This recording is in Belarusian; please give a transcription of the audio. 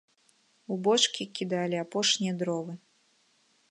У бочкі кідалі апошнія дровы.